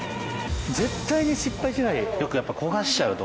絶対に失敗しない？